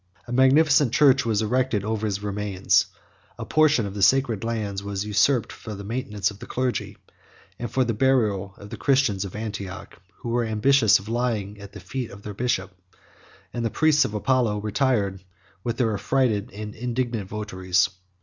A magnificent church was erected over his remains; a portion of the sacred lands was usurped for the maintenance of the clergy, and for the burial of the Christians at Antioch, who were ambitious of lying at the feet of their bishop; and the priests of Apollo retired, with their affrighted and indignant votaries.